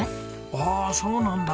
ああそうなんだ。